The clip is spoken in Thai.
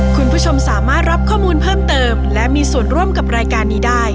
คุณผู้ชมสามารถรับข้อมูลเพิ่มเติมและมีส่วนร่วมกับรายการนี้ได้